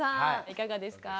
いかがですか？